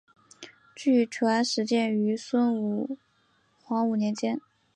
据传始建于孙吴黄武年间。